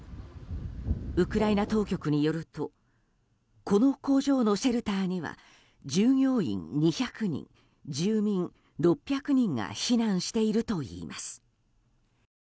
ウクライナ当局によるとこの工場のシェルターには従業員２００人、住民６００人が避難しているといいます。